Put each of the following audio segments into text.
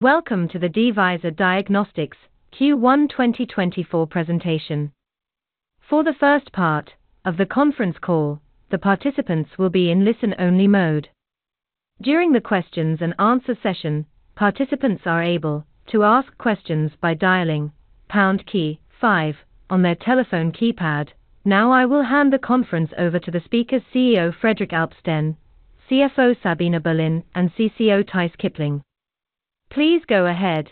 Welcome to the Devyser Diagnostics Q1 2024 presentation. For the first part of the conference call, the participants will be in listen-only mode. During the questions and answer session, participants are able to ask questions by dialing pound key five on their telephone keypad. Now, I will hand the conference over to the speakers, CEO, Fredrik Alpsten, CFO, Sabina Berlin, and CCO, Theis Kipling. Please go ahead.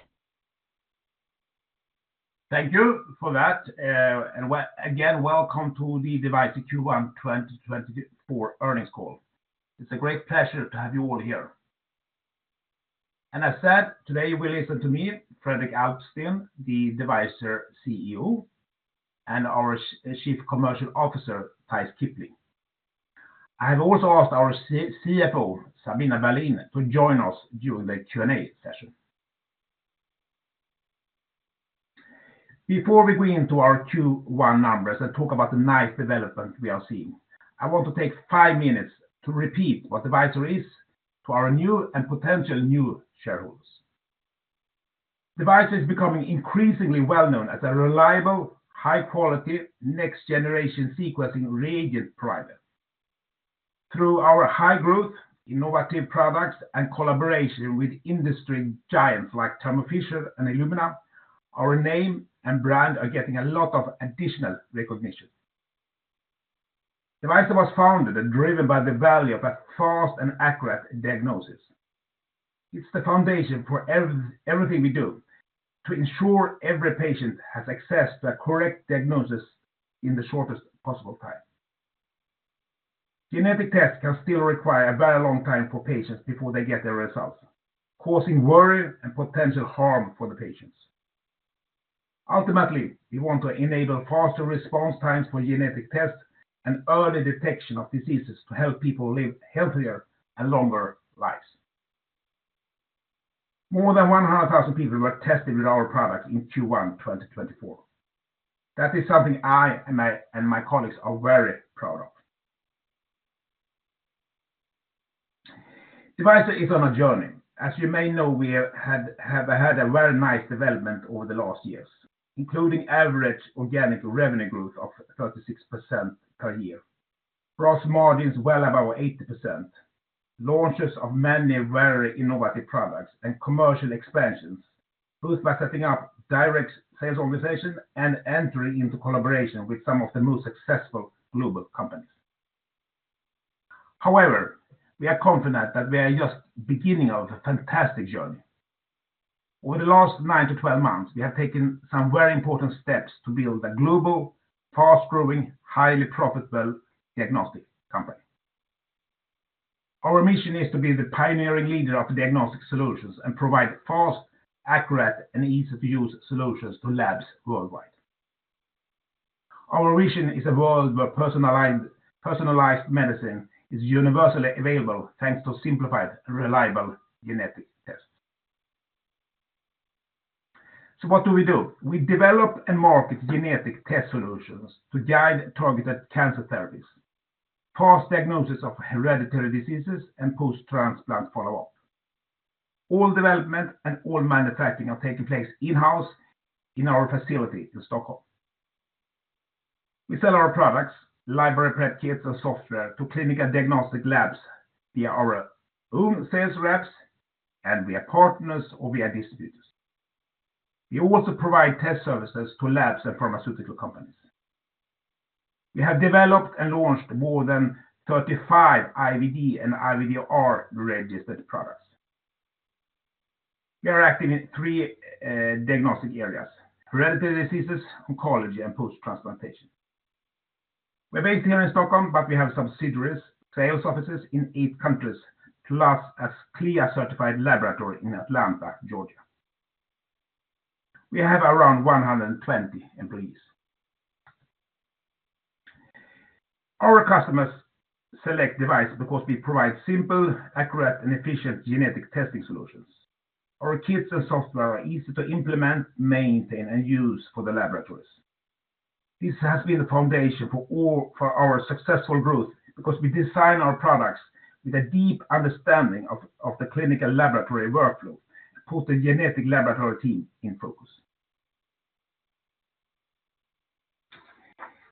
Thank you for that, and again, welcome to the Devyser Q1 2024 earnings call. It's a great pleasure to have you all here. And as said, today, you will listen to me, Fredrik Alpsten, the Devyser CEO, and our Chief Commercial Officer, Theis Kipling. I have also asked our CFO, Sabina Berlin, to join us during the Q&A session. Before we go into our Q1 numbers and talk about the nice development we are seeing, I want to take five minutes to repeat what Devyser is to our new and potential new shareholders. Devyser is becoming increasingly well known as a reliable, high-quality, next-generation sequencing reagent provider. Through our high growth, innovative products, and collaboration with industry giants like Thermo Fisher and Illumina, our name and brand are getting a lot of additional recognition. Devyser was founded and driven by the value of a fast and accurate diagnosis. It's the foundation for every, everything we do to ensure every patient has access to a correct diagnosis in the shortest possible time. Genetic tests can still require a very long time for patients before they get their results, causing worry and potential harm for the patients. Ultimately, we want to enable faster response times for genetic tests and early detection of diseases to help people live healthier and longer lives. More than 100,000 people were tested with our products in Q1 2024. That is something I and my colleagues are very proud of. Devyser is on a journey. As you may know, we have had a very nice development over the last years, including average organic revenue growth of 36% per year, gross margins well above 80%, launches of many very innovative products, and commercial expansions, both by setting up direct sales organization and entering into collaboration with some of the most successful global companies. However, we are confident that we are just beginning of a fantastic journey. Over the last 9-12 months, we have taken some very important steps to build a global, fast-growing, highly profitable diagnostic company. Our mission is to be the pioneering leader of the diagnostic solutions and provide fast, accurate, and easy-to-use solutions to labs worldwide. Our vision is a world where personalized medicine is universally available, thanks to simplified and reliable genetic tests. So what do we do? We develop and market genetic test solutions to guide targeted cancer therapies, fast diagnosis of hereditary diseases, and post-transplant follow-up. All development and all manufacturing are taking place in-house in our facility in Stockholm. We sell our products, library prep kits, and software to clinical and diagnostic labs via our own sales reps, and we have partners, or we have distributors. We also provide test services to labs and pharmaceutical companies. We have developed and launched more than 35 IVD and IVDR registered products. We are active in three diagnostic areas: hereditary diseases, oncology, and post-transplantation. We're based here in Stockholm, but we have subsidiaries, sales offices in 8 countries, plus a CLIA-certified laboratory in Atlanta, Georgia. We have around 120 employees. Our customers select Devyser because we provide simple, accurate, and efficient genetic testing solutions. Our kits and software are easy to implement, maintain, and use for the laboratories. This has been the foundation for all - for our successful growth because we design our products with a deep understanding of the clinical laboratory workflow to put the genetic laboratory team in focus.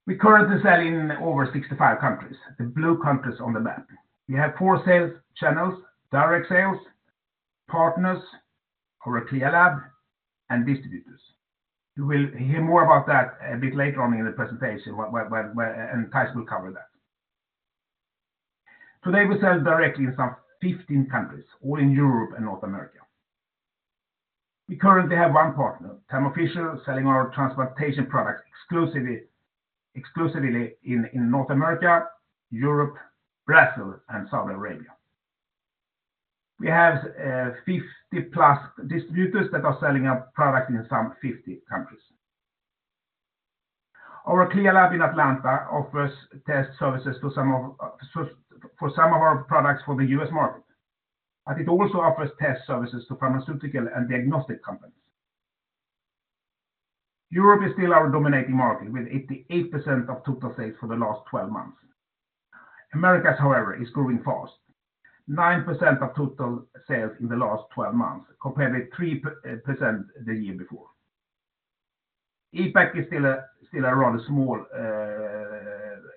We currently sell in over 65 countries, the blue countries on the map. We have four sales channels: direct sales, partners, or a CLIA lab, and distributors. You will hear more about that a bit later on in the presentation, where Theis will cover that. Today, we sell directly in some 15 countries, all in Europe and North America. We currently have one partner, Thermo Fisher, selling our transplantation products exclusively in North America, Europe, Brazil, and Saudi Arabia. We have 50-plus distributors that are selling our products in some 50 countries. Our CLIA lab in Atlanta offers test services for some of our products for the U.S. market, but it also offers test services to pharmaceutical and diagnostic companies. Europe is still our dominating market, with 88% of total sales for the last 12 months. Americas, however, is growing fast, 9% of total sales in the last 12 months, compared with 3% the year before. APAC is still a rather small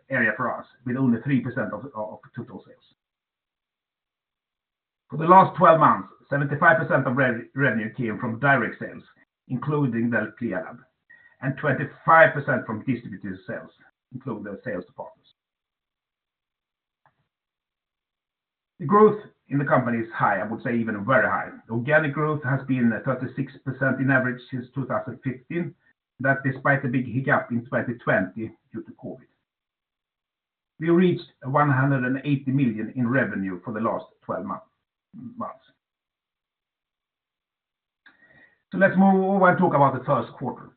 area for us, with only 3% of total sales. For the last 12 months, 75% of revenue came from direct sales, including the CLIA Lab, and 25% from distributor sales, including the sales departments. The growth in the company is high, I would say even very high. Organic growth has been 36% in average since 2015. That, despite a big hiccup in 2020 due to COVID. We reached 180 million in revenue for the last twelve months. So let's move over and talk about the first quarter.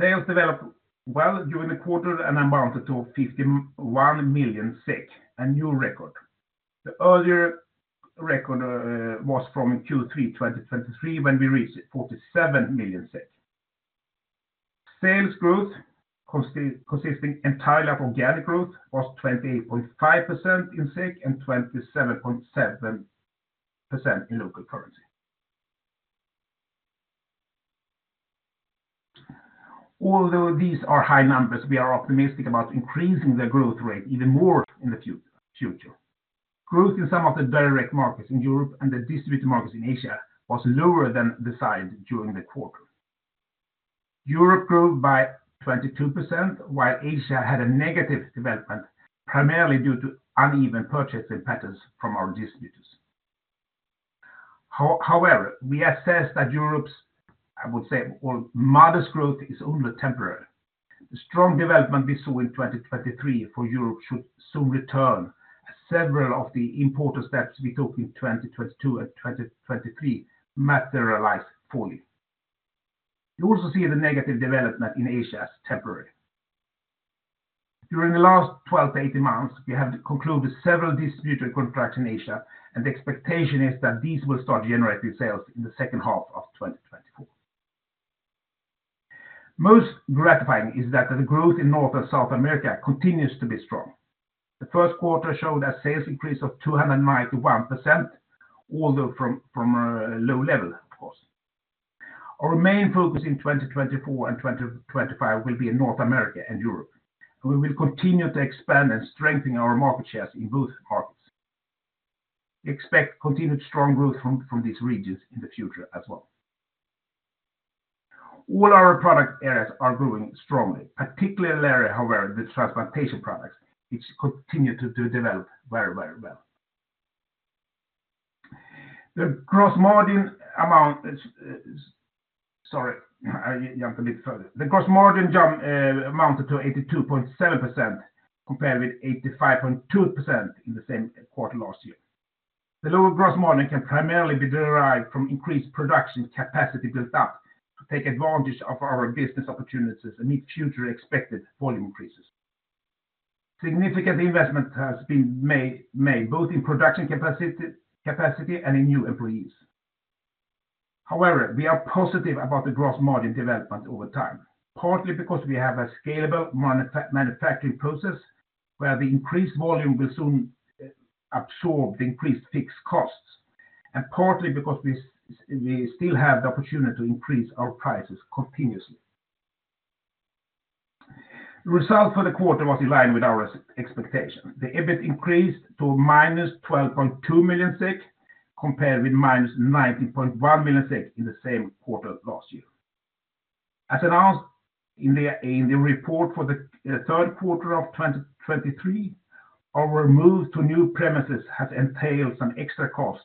Sales developed well during the quarter and amounted to 51 million, a new record. The earlier record was from Q3 2023, when we reached 47 million. Sales growth, consisting entirely of organic growth, was 28.5% in SEK and 27.7% in local currency. Although these are high numbers, we are optimistic about increasing the growth rate even more in the future. Growth in some of the direct markets in Europe and the distributor markets in Asia was lower than desired during the quarter. Europe grew by 22%, while Asia had a negative development, primarily due to uneven purchasing patterns from our distributors. However, we assess that Europe's, I would say, well, modest growth is only temporary. The strong development we saw in 2023 for Europe should soon return, as several of the important steps we took in 2022 and 2023 materialize fully. We also see the negative development in Asia as temporary. During the last 12-18 months, we have concluded several distributor contracts in Asia, and the expectation is that these will start generating sales in the second half of 2024. Most gratifying is that the growth in North and South America continues to be strong. The first quarter showed a sales increase of 291%, although from a low level, of course. Our main focus in 2024 and 2025 will be in North America and Europe. We will continue to expand and strengthen our market shares in both markets. We expect continued strong growth from these regions in the future as well. All our product areas are growing strongly, particularly the area, however, the transplantation products, which continue to develop very, very well. The gross margin amounted to 82.7%, compared with 85.2% in the same quarter last year. The lower gross margin can primarily be derived from increased production capacity built up to take advantage of our business opportunities and meet future expected volume increases. Significant investment has been made both in production capacity and in new employees. However, we are positive about the gross margin development over time, partly because we have a scalable manufacturing process, where the increased volume will soon absorb the increased fixed costs, and partly because we still have the opportunity to increase our prices continuously. The result for the quarter was in line with our expectation. The EBIT increased to -12.2 million SEK, compared with -19.1 million SEK in the same quarter last year. As announced in the report for the third quarter of 2023, our move to new premises has entailed some extra costs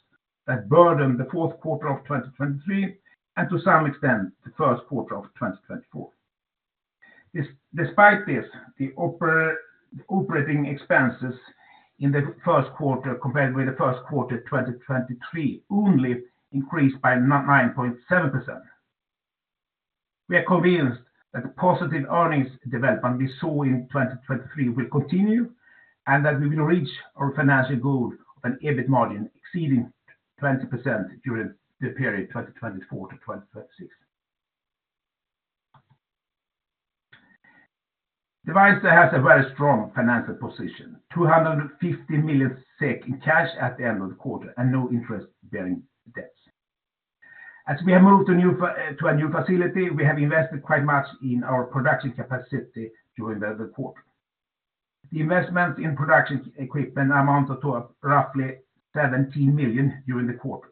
that burdened the fourth quarter of 2023, and to some extent, the first quarter of 2024. Despite this, the operating expenses in the first quarter, compared with the first quarter of 2023, only increased by 9.7%. We are convinced that the positive earnings development we saw in 2023 will continue, and that we will reach our financial goal of an EBIT margin exceeding 20% during the period 2024-2036. Devyser has a very strong financial position, 250 million SEK in cash at the end of the quarter, and no interest-bearing debts. As we have moved to a new facility, we have invested quite much in our production capacity during the quarter. The investment in production equipment amounted to roughly 17 million during the quarter.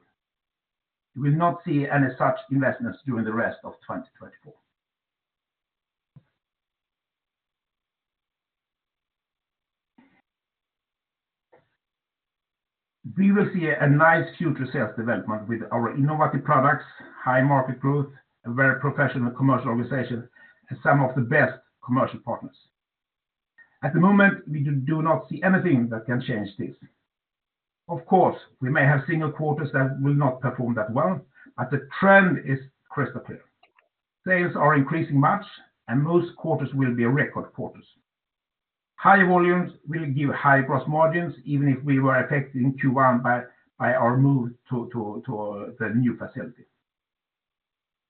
You will not see any such investments during the rest of 2024. We will see a nice future sales development with our innovative products, high market growth, a very professional commercial organization, and some of the best commercial partners. At the moment, we do not see anything that can change this. Of course, we may have single quarters that will not perform that well, but the trend is crystal clear. Sales are increasing much, and most quarters will be record quarters.... High volumes will give high gross margins, even if we were affected in Q1 by our move to the new facility.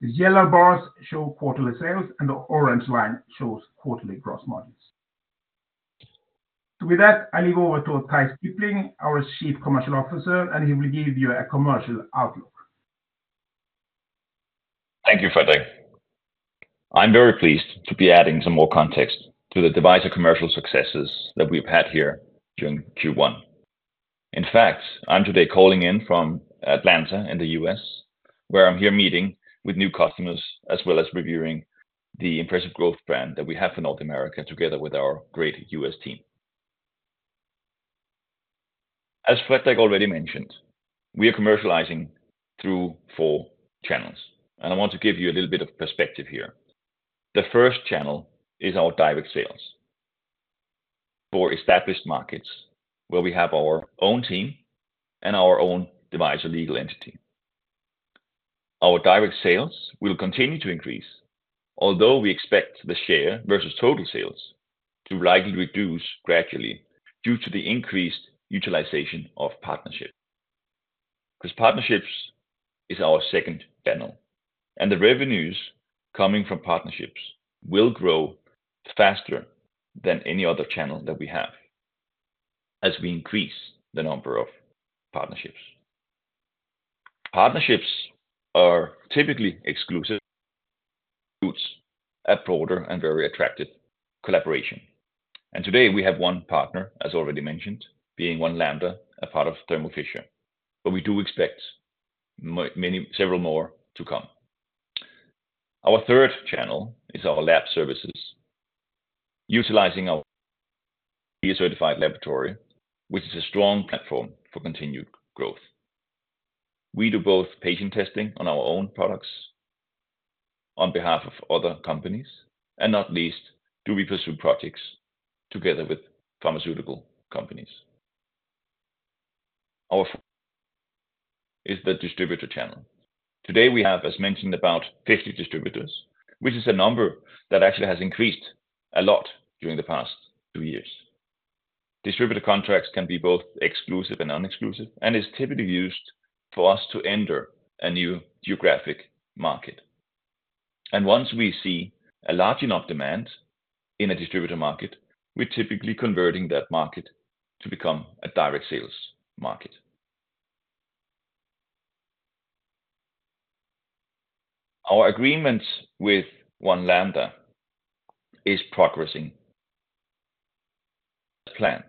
The yellow bars show quarterly sales, and the orange line shows quarterly gross margins. So with that, I leave over to Theis Kipling, our Chief Commercial Officer, and he will give you a commercial outlook. Thank you, Fredrik. I'm very pleased to be adding some more context to the series of commercial successes that we've had here during Q1. In fact, I'm today calling in from Atlanta in the U.S., where I'm here meeting with new customers, as well as reviewing the impressive growth plan that we have for North America, together with our great U.S. team. As Fredrik already mentioned, we are commercializing through four channels, and I want to give you a little bit of perspective here. The first channel is our direct sales for established markets, where we have our own team and our own Devyser legal entity. Our direct sales will continue to increase, although we expect the share versus total sales to likely reduce gradually due to the increased utilization of partnerships. Because partnerships is our second channel, and the revenues coming from partnerships will grow faster than any other channel that we have as we increase the number of partnerships. Partnerships are typically exclusive, boost to a broader and very attractive collaboration. And today, we have one partner, as already mentioned, being One Lambda, a part of Thermo Fisher, but we do expect several more to come. Our third channel is our lab services, utilizing our certified laboratory, which is a strong platform for continued growth. We do both patient testing on our own products on behalf of other companies, and not least, do we pursue projects together with pharmaceutical companies. Our fourth is the distributor channel. Today, we have, as mentioned, about 50 distributors, which is a number that actually has increased a lot during the past two years. Distributor contracts can be both exclusive and non-exclusive, and is typically used for us to enter a new geographic market. Once we see a large enough demand in a distributor market, we're typically converting that market to become a direct sales market. Our agreement with One Lambda is progressing as planned,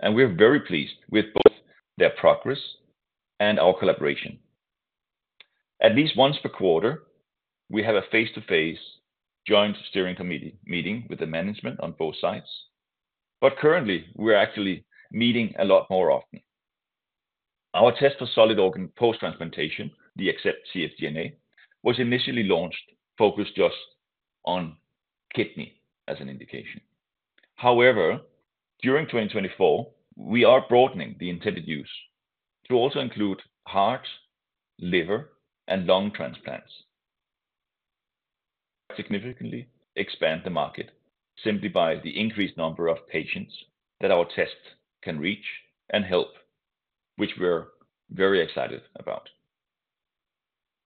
and we're very pleased with both their progress and our collaboration. At least once per quarter, we have a face-to-face joint steering committee meeting with the management on both sides, but currently, we're actually meeting a lot more often. Our test for solid organ post-transplantation, the Accept cfDNA, was initially launched, focused just on kidney as an indication. However, during 2024, we are broadening the intended use to also include heart, liver, and lung transplants. Significantly expand the market simply by the increased number of patients that our test can reach and help, which we're very excited about.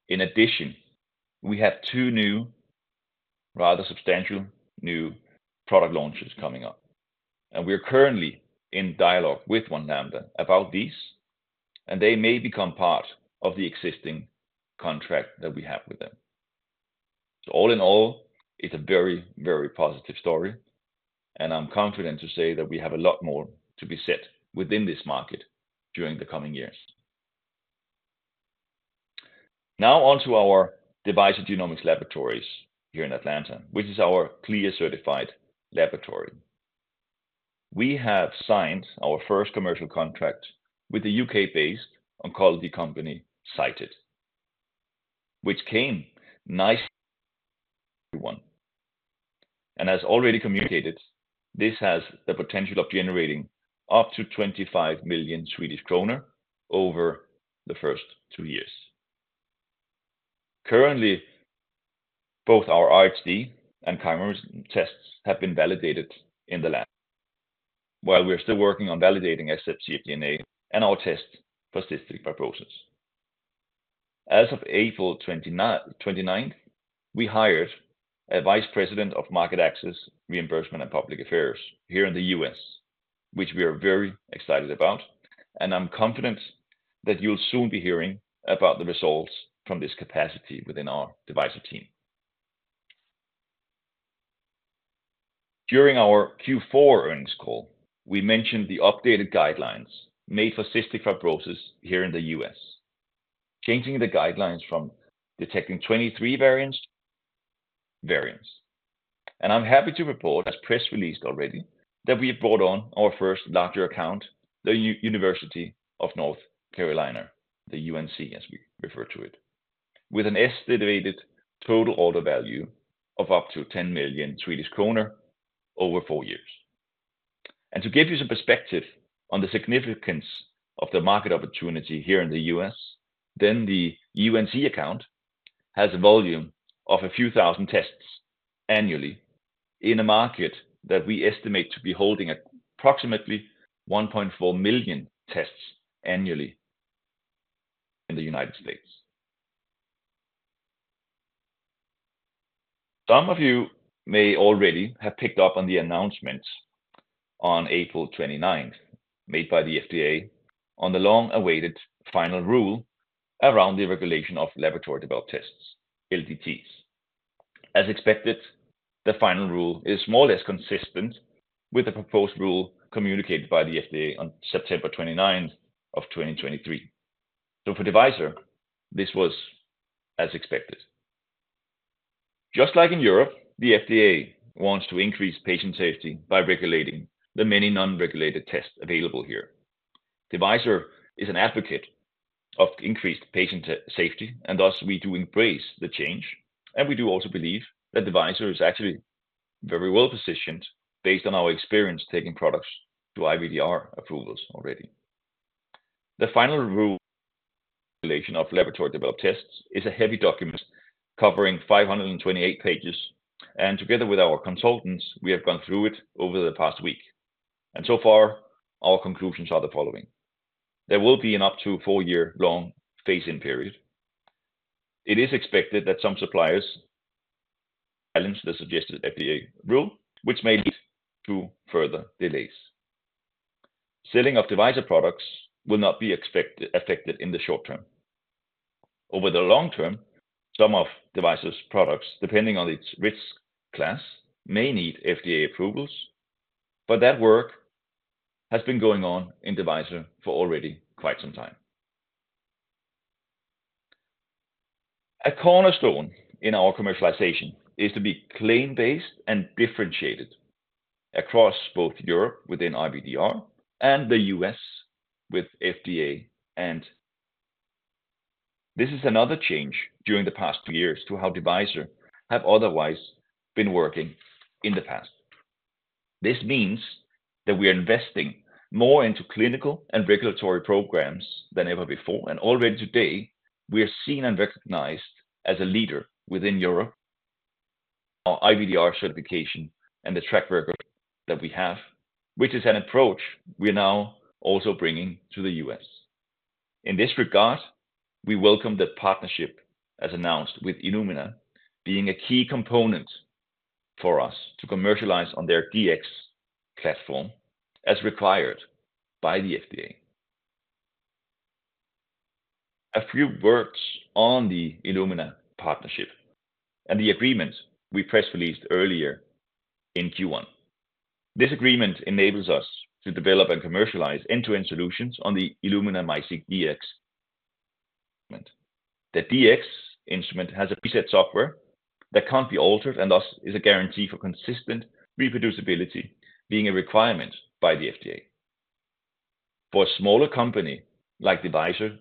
In addition, we have two new, rather substantial new product launches coming up, and we are currently in dialogue with One Lambda about these, and they may become part of the existing contract that we have with them. So all in all, it's a very, very positive story, and I'm confident to say that we have a lot more to be set within this market during the coming years. Now on to our Devyser Genomics laboratories here in Atlanta, which is our CLIA-certified laboratory. We have signed our first commercial contract with the U.K.-based oncology company, Cyted, which came nicely on. And as already communicated, this has the potential of generating up to 25 million Swedish kronor over the first two years. Currently, both our RHD and chimerism tests have been validated in the lab, while we are still working on validating cfDNA and our test for cystic fibrosis. As of April 29th, we hired a vice president of Market Access, Reimbursement, and Public Affairs here in the U.S., which we are very excited about, and I'm confident that you'll soon be hearing about the results from this capacity within our Devyser team. During our Q4 earnings call, we mentioned the updated guidelines made for cystic fibrosis here in the U.S., changing the guidelines from detecting 23 variants. And I'm happy to report, as press released already, that we have brought on our first larger account, the University of North Carolina, the UNC, as we refer to it, with an estimated total order value of up to 10 million Swedish kronor over four years. To give you some perspective on the significance of the market opportunity here in the U.S., then the UNC account has a volume of a few thousand tests annually in a market that we estimate to be holding approximately 1.4 million tests annually in the United States. Some of you may already have picked up on the announcements on April 29, made by the FDA on the long-awaited final rule around the regulation of laboratory developed tests, LDTs. As expected, the final rule is more or less consistent with the proposed rule communicated by the FDA on September 29, 2023. For Devyser, this was as expected. Just like in Europe, the FDA wants to increase patient safety by regulating the many non-regulated tests available here. Devyser is an advocate of increased patient safety, and thus we do embrace the change, and we do also believe that Devyser is actually very well-positioned based on our experience taking products to IVDR approvals already. The final rule, regulation of laboratory developed tests, is a heavy document covering 528 pages, and together with our consultants, we have gone through it over the past week. And so far, our conclusions are the following: There will be an up to four-year-long phase-in period. It is expected that some suppliers challenge the suggested FDA rule, which may lead to further delays. Selling of Devyser products will not be expected-- affected in the short term. Over the long term, some of Devyser's products, depending on its risk class, may need FDA approvals, but that work has been going on in Devyser for already quite some time. A cornerstone in our commercialization is to be claim-based and differentiated across both Europe, within IVDR, and the U.S., with FDA. This is another change during the past two years to how Devyser has otherwise been working in the past. This means that we are investing more into clinical and regulatory programs than ever before, and already today, we are seen and recognized as a leader within Europe, our IVDR certification and the track record that we have, which is an approach we are now also bringing to the U.S. In this regard, we welcome the partnership, as announced, with Illumina being a key component for us to commercialize on their Dx platform, as required by the FDA. A few words on the Illumina partnership and the agreement we press-released earlier in Q1. This agreement enables us to develop and commercialize end-to-end solutions on the Illumina MiSeq Dx. The MiSeq Dx instrument has a preset software that can't be altered, and thus is a guarantee for consistent reproducibility, being a requirement by the FDA. For a smaller company like Devyser,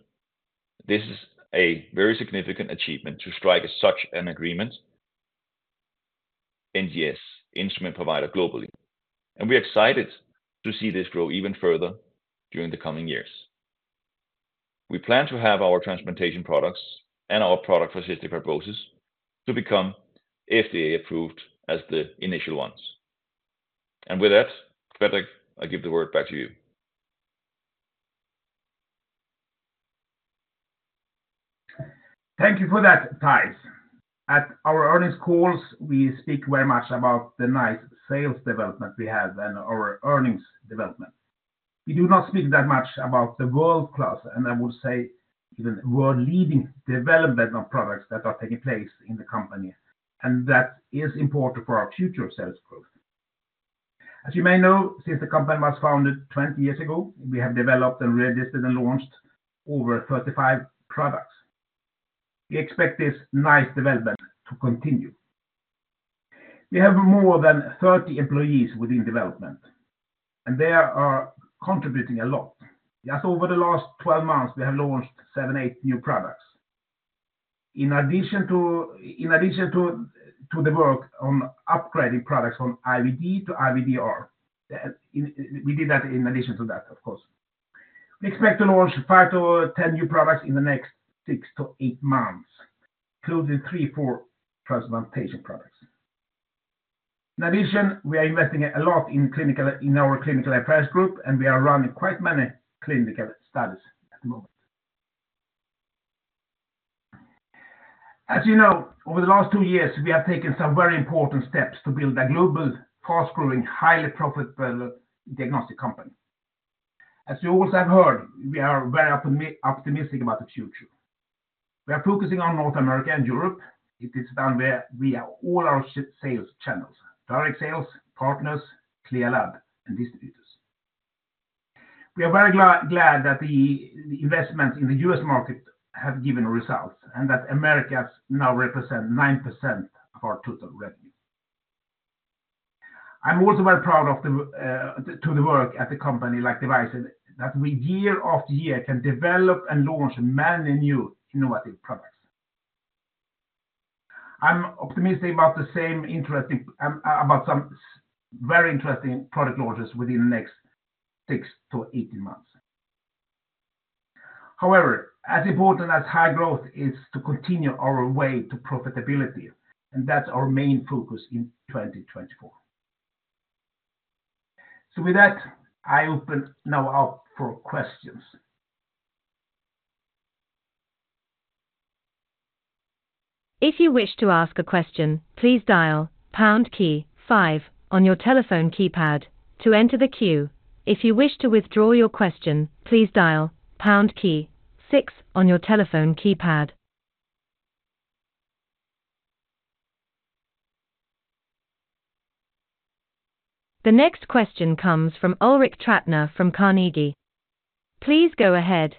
this is a very significant achievement to strike such an agreement, NGS, instrument provider globally, and we are excited to see this grow even further during the coming years. We plan to have our transplantation products and our product for cystic fibrosis to become FDA approved as the initial ones. With that, Fredrik, I give the word back to you. Thank you for that, Theis. At our earnings calls, we speak very much about the nice sales development we have and our earnings development. We do not speak that much about the world-class, and I would say, even world-leading development of products that are taking place in the company, and that is important for our future sales growth. As you may know, since the company was founded 20 years ago, we have developed and registered and launched over 35 products. We expect this nice development to continue. We have more than 30 employees within development, and they are contributing a lot. Just over the last 12 months, we have launched seven, eight new products. In addition to the work on upgrading products from IVD to IVDR, we did that in addition to that, of course. We expect to launch 5-10 new products in the next six to eight months, including three to four transplantation products. In addition, we are investing a lot in clinical affairs group, and we are running quite many clinical studies at the moment. As you know, over the last two years, we have taken some very important steps to build a global, fast-growing, highly profitable diagnostic company. As you also have heard, we are very optimistic about the future. We are focusing on North America and Europe. It is done via all our sales channels, direct sales, partners, CLIA lab, and distributors. We are very glad that the investment in the U.S. market have given results, and that Americas now represent 9% of our total revenue. I'm also very proud of the to the work at a company like Devyser, that we, year after year, can develop and launch many new innovative products. I'm optimistic about the same interesting about some very interesting product launches within the next 6-18 months. However, as important as high growth is to continue our way to profitability, and that's our main focus in 2024. So with that, I open now up for questions. If you wish to ask a question, please dial pound key five on your telephone keypad to enter the queue. If you wish to withdraw your question, please dial pound key six on your telephone keypad. The next question comes from Ulrik Trattner from Carnegie. Please go ahead.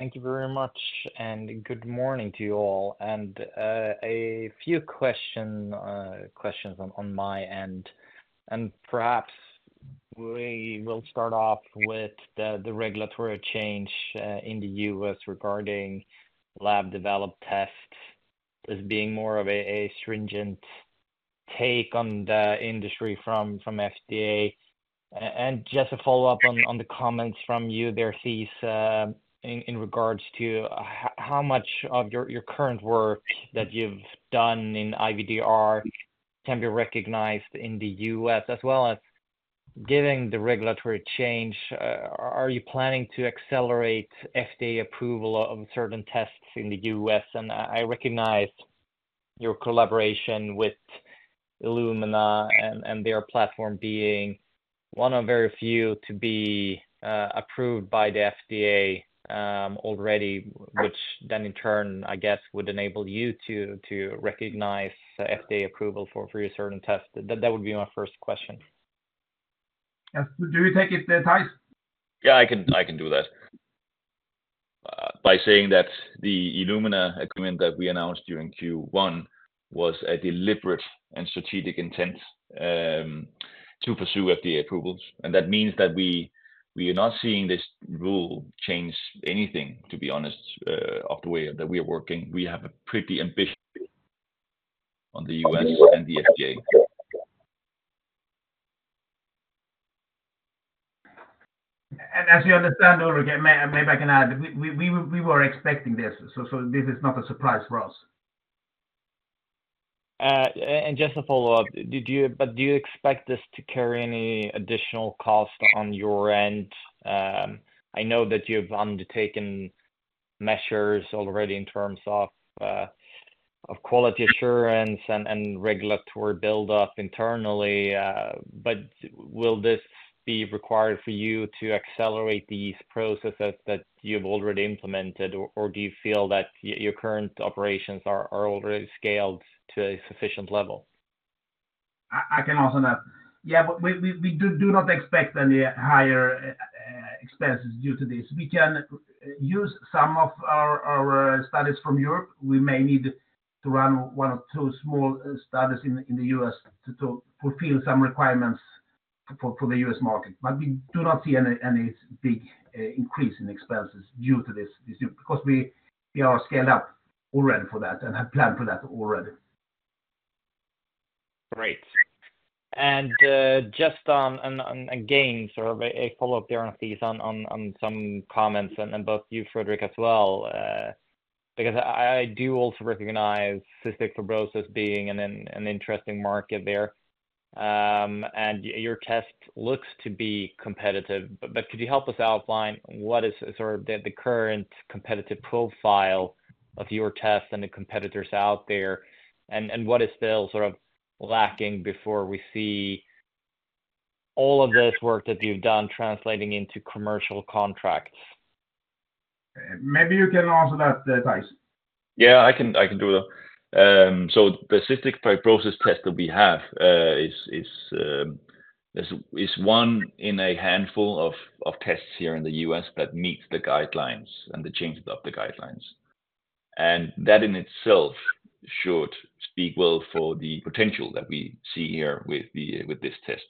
Thank you very much, and good morning to you all. A few questions on my end, and perhaps we will start off with the regulatory change in the U.S. regarding lab-developed tests as being more of a stringent take on the industry from FDA. And just to follow up on the comments from you there, Theis, in regards to how much of your current work that you've done in IVDR can be recognized in the U.S.? As well as given the regulatory change, are you planning to accelerate FDA approval of certain tests in the U.S.? And I recognize your collaboration with Illumina and their platform being one of very few to be approved by the FDA already, which then in turn, I guess, would enable you to recognize the FDA approval for your certain tests. That would be my first question. Yes. Do you take it, Theis? Yeah, I can do that. By saying that the Illumina agreement that we announced during Q1 was a deliberate and strategic intent to pursue FDA approvals. And that means that we are not seeing this rule change anything, to be honest, of the way that we are working. We have a pretty ambitious on the U.S. and the FDA. As you understand, Ulrich, maybe I can add, we were expecting this, so this is not a surprise for us. And just a follow-up: did you—but do you expect this to carry any additional cost on your end? I know that you've undertaken measures already in terms of, of quality assurance and, and regulatory buildup internally, but will this be required for you to accelerate these processes that you've already implemented, or, or do you feel that your current operations are, are already scaled to a sufficient level? I can answer that. Yeah, but we do not expect any higher expenses due to this. We can use some of our studies from Europe. We may need to run one or two small studies in the U.S. to fulfill some requirements for the U.S. market. But we do not see any big increase in expenses due to this issue, because we are scaled up already for that and have planned for that already. Great. And, just on, on, again, sort of a follow-up there on this, on, on, on some comments, and, and both you, Fredrik, as well, because I, I do also recognize cystic fibrosis being an interesting market there. And, your test looks to be competitive, but could you help us outline what is sort of the, the current competitive profile of your test and the competitors out there? And, and what is still sort of lacking before we see all of this work that you've done translating into commercial contracts? Maybe you can answer that, Theis. Yeah, I can-- I can do that. So the cystic fibrosis test that we have is one in a handful of tests here in the U.S. that meets the guidelines and the changes of the guidelines. And that in itself should speak well for the potential that we see here with this test.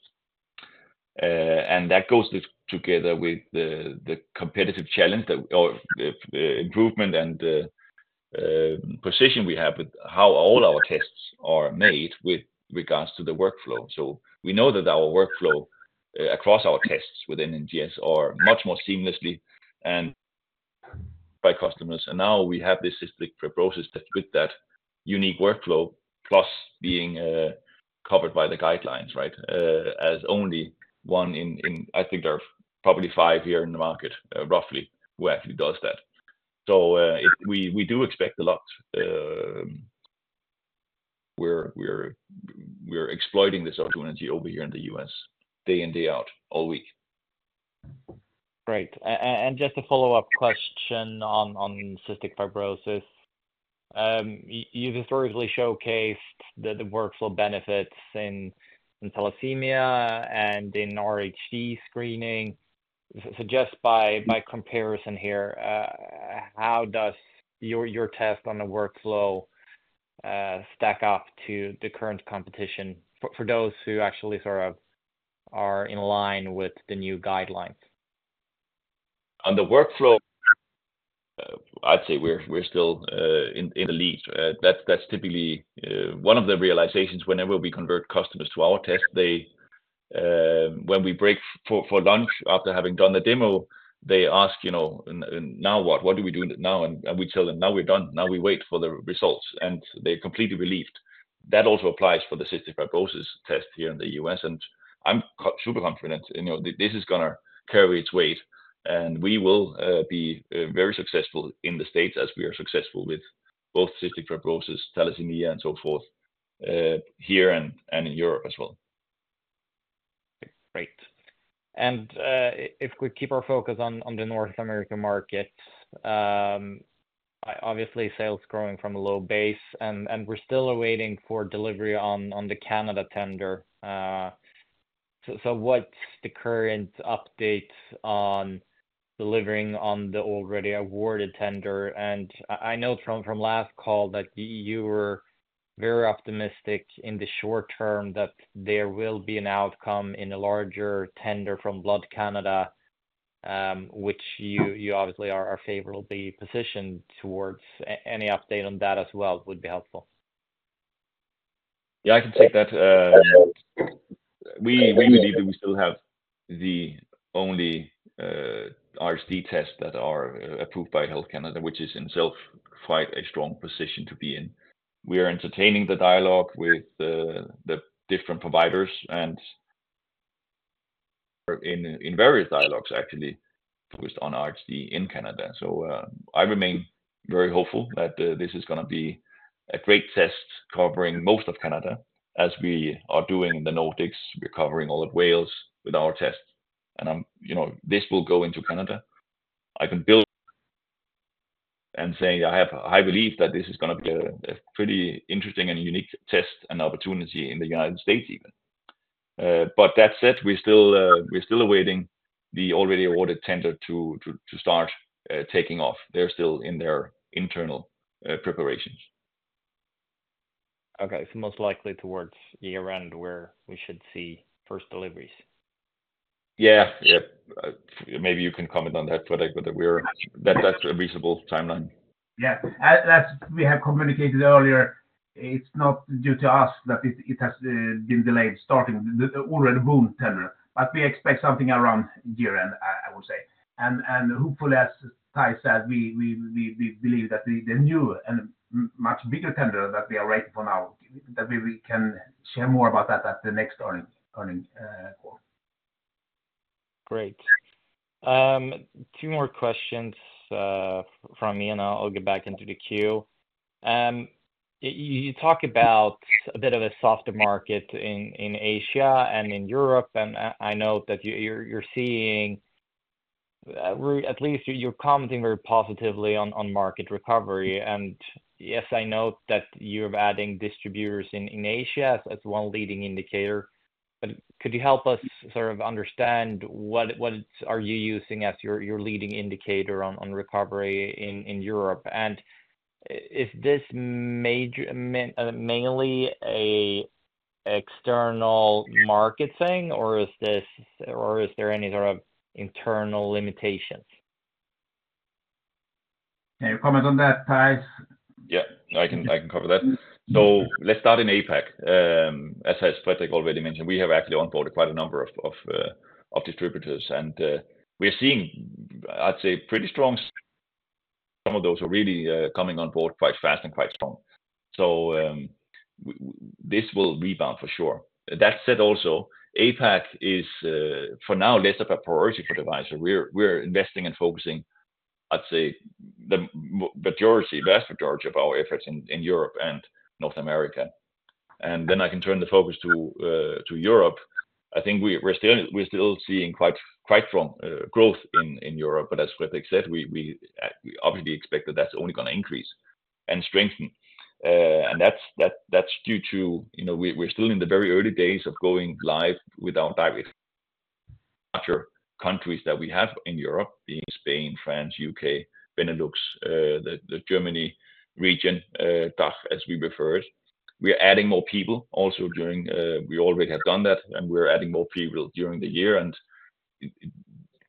And that goes this, together with the competitive challenge that, or the improvement and the position we have with how all our tests are made with regards to the workflow. So we know that our workflow across our tests within NGS are much more seamlessly and by customers. And now we have this cystic fibrosis test with that unique workflow, plus being covered by the guidelines, right? As only one in... I think there are probably five here in the market, roughly, who actually does that. So, we do expect a lot. We're exploiting this opportunity over here in the U.S. day in, day out, all week. Great. And just a follow-up question on cystic fibrosis. You've historically showcased the workflow benefits in thalassemia and in RHD screening. So just by comparison here, how does your test on the workflow stack up to the current competition for those who actually sort of are in line with the new guidelines? On the workflow, I'd say we're still in the lead. That's typically one of the realizations whenever we convert customers to our test, they, when we break for lunch after having done the demo, they ask, you know, "And now what? What do we do now?" And we tell them, "Now we're done. Now we wait for the results," and they're completely relieved. That also applies for the cystic fibrosis test here in the U.S., and I'm super confident, you know, this is gonna carry its weight, and we will be very successful in the States, as we are successful with both cystic fibrosis, thalassemia, and so forth, here and in Europe as well. Great. And if we keep our focus on the North America market, obviously, sales growing from a low base, and we're still awaiting for delivery on the Canada tender. So what's the current update on delivering on the already awarded tender? And I know from last call that you were very optimistic in the short term that there will be an outcome in a larger tender from Blood Canada, which you obviously are favorably positioned towards. Any update on that as well would be helpful. Yeah, I can take that. We believe that we still have the only RHD test that are approved by Health Canada, which is in itself quite a strong position to be in. We are entertaining the dialogue with the different providers, and in various dialogues actually, focused on RHD in Canada. So, I remain very hopeful that this is gonna be a great test covering most of Canada as we are doing in the Nordics. We're covering all of Wales with our tests, and you know, this will go into Canada. I can boldly say I have high belief that this is gonna be a pretty interesting and unique test and opportunity in the United States even. But that said, we're still awaiting the already awarded tender to start taking off. They're still in their internal preparations. Okay, so most likely towards year-end where we should see first deliveries? Yeah. Yeah. Maybe you can comment on that, Fredrik, but we're... That, that's a reasonable timeline. Yeah. As we have communicated earlier, it's not due to us that it has been delayed, starting the already won tender, but we expect something around year-end, I would say. And hopefully, as Theis said, we believe that the new and much bigger tender that we are waiting for now, that we can share more about that at the next earnings call. Great. Two more questions from me, and I'll get back into the queue. You talk about a bit of a softer market in Asia and in Europe, and I note that you're seeing at least you're commenting very positively on market recovery. And yes, I know that you're adding distributors in Asia as one leading indicator, but could you help us sort of understand what are you using as your leading indicator on recovery in Europe? And is this mainly an external market thing, or is there any sort of internal limitations? Can you comment on that, Theis? Yeah, I can, I can cover that. So let's start in APAC. As Fredrik already mentioned, we have actually onboarded quite a number of distributors, and we're seeing, I'd say, pretty strong... Some of those are really coming on board quite fast and quite strong. So this will rebound for sure. That said also, APAC is for now less of a priority for Devyser. We're investing and focusing, I'd say, the majority, vast majority of our efforts in Europe and North America. And then I can turn the focus to Europe. I think we're still seeing quite strong growth in Europe, but as Fredrik said, we obviously expect that that's only gonna increase and strengthen. And that's due to, you know, we're still in the very early days of going live with our direct larger countries that we have in Europe, being Spain, France, U.K., Benelux, the Germany region, DACH, as we refer it. We are adding more people also during, we already have done that, and we're adding more people during the year, and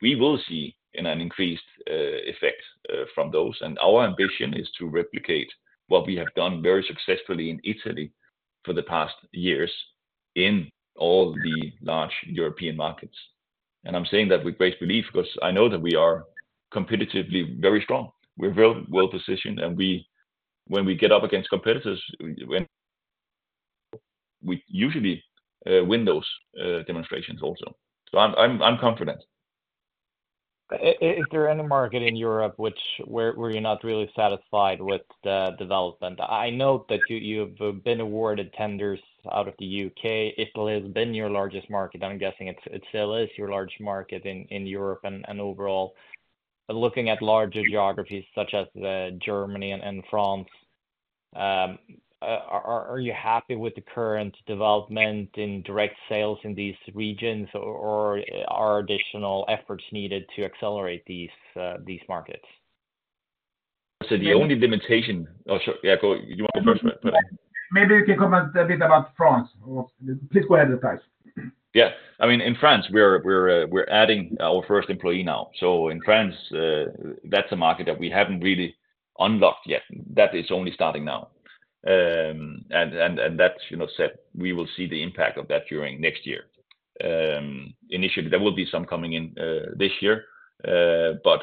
we will see an increased effect from those. And our ambition is to replicate what we have done very successfully in Italy for the past years in all the large European markets. And I'm saying that with great belief because I know that we are competitively very strong. We're very well positioned, and we, when we get up against competitors, we usually win those demonstrations also. So I'm confident. Is there any market in Europe where you're not really satisfied with the development? I know that you, you've been awarded tenders out of the UK. Italy has been your largest market, and I'm guessing it still is your largest market in Europe and overall. But looking at larger geographies such as Germany and France, are you happy with the current development in direct sales in these regions, or are additional efforts needed to accelerate these markets? So the only limitation... Oh, sure. Yeah, go. You want to go first, Fredrik?... Maybe you can comment a bit about France, or please go ahead, Theis. Yeah. I mean, in France, we're adding our first employee now. So in France, that's a market that we haven't really unlocked yet. That is only starting now. And that, you know, said we will see the impact of that during next year. Initially, there will be some coming in this year, but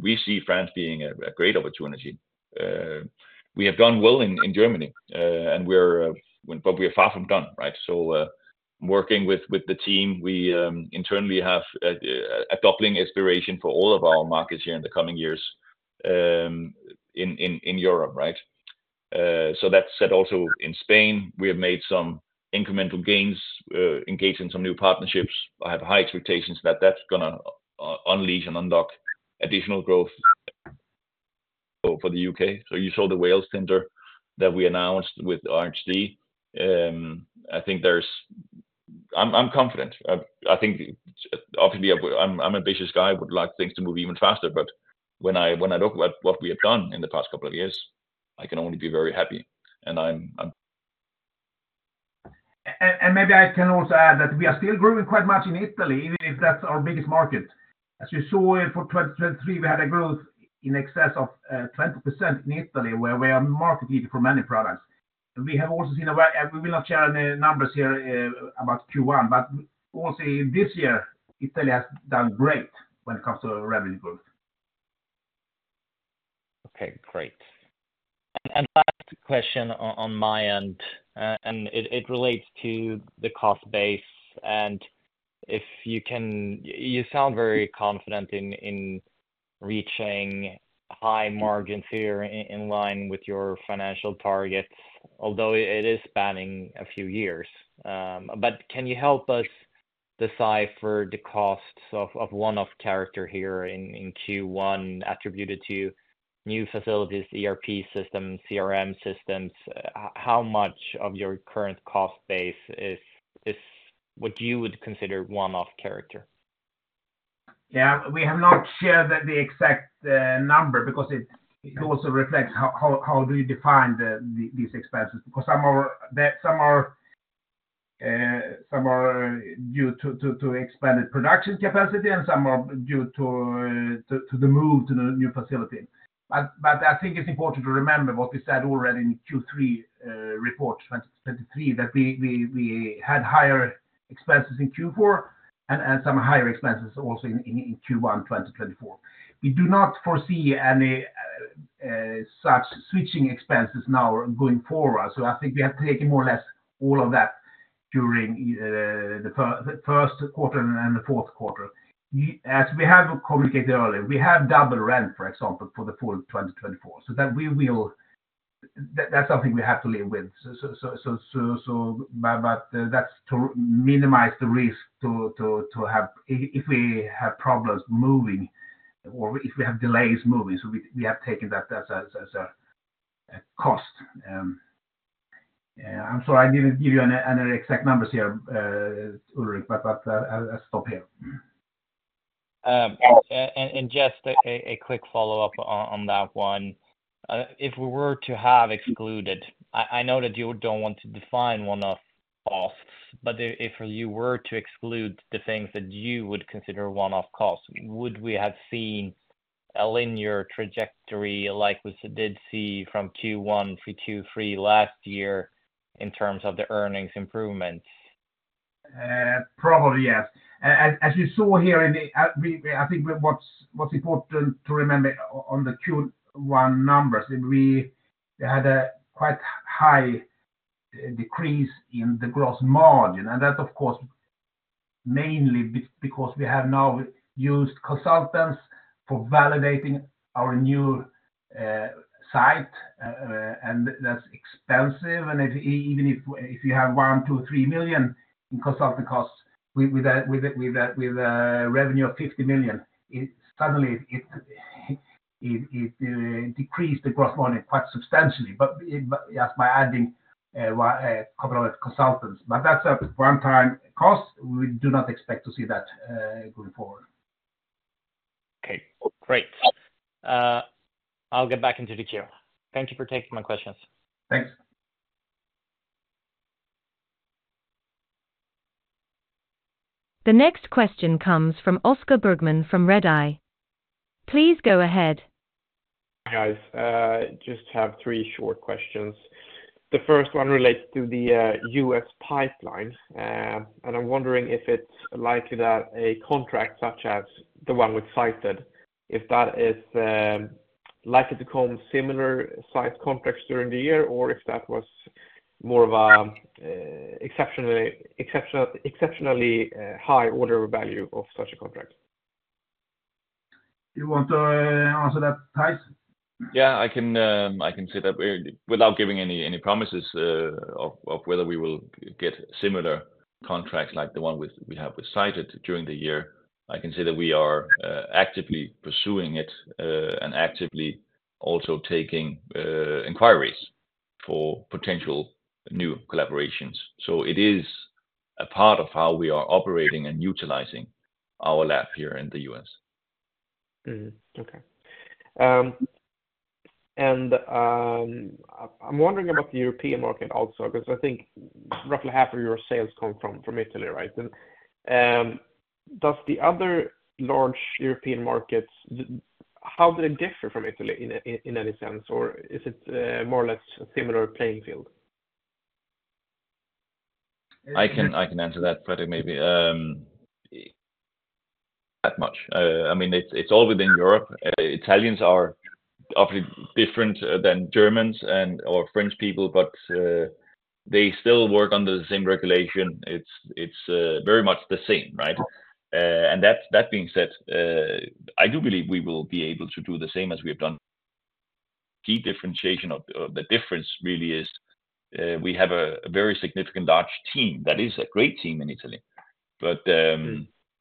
we see France being a great opportunity. We have done well in Germany, and we are far from done, right? So, working with the team, we internally have a doubling aspiration for all of our markets here in the coming years, in Europe, right? So that said also in Spain, we have made some incremental gains, engaged in some new partnerships. I have high expectations that that's gonna unleash and unlock additional growth for the U.K. So you saw the Wales tender that we announced with RHD. I think there's... I'm confident. I think obviously, I'm ambitious guy, I would like things to move even faster, but when I look at what we have done in the past couple of years, I can only be very happy, and I'm- And maybe I can also add that we are still growing quite much in Italy, if that's our biggest market. As you saw it for 2023, we had a growth in excess of 20% in Italy, where we are market leader for many products. We have also seen and we will not share any numbers here about Q1, but also this year, Italy has done great when it comes to revenue growth. Okay, great. And last question on my end, and it relates to the cost base. And if you can—you sound very confident in reaching high margins here in line with your financial targets, although it is spanning a few years. But can you help us decipher the costs of one-off character here in Q1, attributed to new facilities, ERP systems, CRM systems? How much of your current cost base is what you would consider one-off character? Yeah, we have not shared the exact number because it also reflects how do you define these expenses? Because some are due to expanded production capacity, and some are due to the move to the new facility. But I think it's important to remember what we said already in Q3 report 2023, that we had higher expenses in Q4 and some higher expenses also in Q1 2024. We do not foresee any such switching expenses now going forward. So I think we have taken more or less all of that during the first quarter and the fourth quarter. As we have communicated earlier, we have double rent, for example, for the full 2024. So that we will, that's something we have to live with. But that's to minimize the risk to have... If we have problems moving or if we have delays moving, so we have taken that as a cost. I'm sorry, I didn't give you an exact numbers here, Ulrich, but I'll stop here. And just a quick follow-up on that one. If we were to have excluded... I know that you don't want to define one-off costs, but if you were to exclude the things that you would consider one-off costs, would we have seen a linear trajectory, like we did see from Q1-Q3 last year in terms of the earnings improvements? Probably, yes. As you saw here in the, I think what's important to remember on the Q1 numbers, we had a quite high decrease in the gross margin, and that, of course, mainly because we have now used consultants for validating our new site, and that's expensive. And if even if you have one, two, three million in consultant costs, with a revenue of 50 million, it suddenly decreased the gross margin quite substantially. But yes, by adding a couple of consultants. But that's a one-time cost. We do not expect to see that going forward. Okay, great. I'll get back into the queue. Thank you for taking my questions. Thanks. The next question comes from Oskar Bergman, from Redeye. Please go ahead. Guys, just have three short questions. The first one relates to the U.S. pipeline, and I'm wondering if it's likely that a contract such as the one we cited, if that is likely to come similar sized contracts during the year, or if that was more of an exceptionally high order value of such a contract? You want to answer that, Theis? Yeah, I can say that without giving any promises of whether we will get similar contracts like the one we have with Cyted during the year. I can say that we are actively pursuing it and actively also taking inquiries for potential new collaborations. So it is a part of how we are operating and utilizing our lab here in the U.S.... Mm-hmm. Okay. And I'm wondering about the European market also, because I think roughly half of your sales come from Italy, right? And does the other large European markets, how do they differ from Italy in any sense, or is it more or less a similar playing field? I can, I can answer that, Fredrik, maybe. That much, I mean, it's, it's all within Europe. Italians are obviously different than Germans and or French people, but, they still work under the same regulation. It's, it's very much the same, right? And that, that being said, I do believe we will be able to do the same as we have done. Key differentiation of the, the difference really is, we have a, a very significant large team. That is a great team in Italy. But,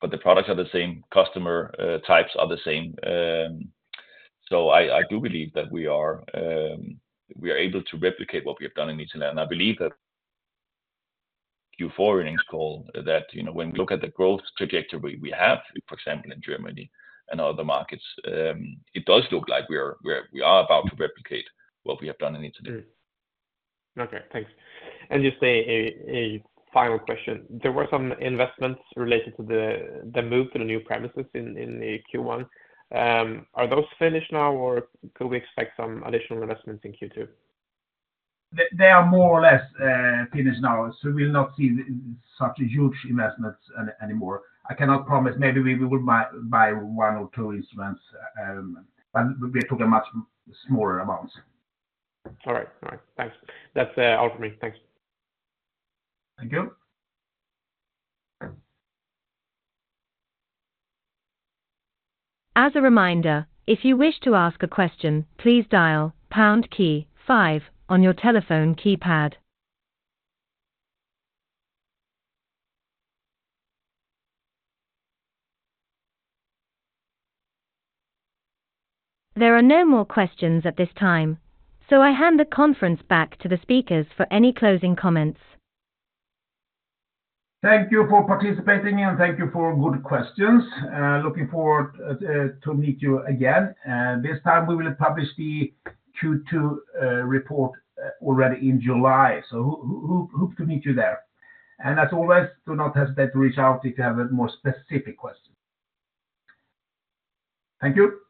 but the products are the same, customer types are the same. So I, I do believe that we are, we are able to replicate what we have done in Italy. I believe that Q4 earnings call, that, you know, when we look at the growth trajectory we have, for example, in Germany and other markets, it does look like we are about to replicate what we have done in Italy. Okay, thanks. And just a final question. There were some investments related to the move to the new premises in the Q1. Are those finished now, or could we expect some additional investments in Q2? They are more or less finished now, so we'll not see such huge investments anymore. I cannot promise, maybe we would buy one or two instruments, but we're talking much smaller amounts. All right. All right, thanks. That's all for me. Thanks. Thank you. As a reminder, if you wish to ask a question, please dial pound key five on your telephone keypad. There are no more questions at this time, so I hand the conference back to the speakers for any closing comments. Thank you for participating, and thank you for good questions. Looking forward to meet you again. This time we will publish the Q2 report already in July, so hope to meet you there. As always, do not hesitate to reach out if you have a more specific question. Thank you!